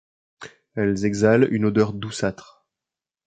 Elles exalent une odeur douceâtre.